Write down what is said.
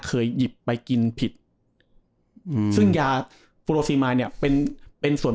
เคยหยิบไปกินผิดอืมซึ่งยาฟูโรซีมาเนี่ยเป็นเป็นส่วน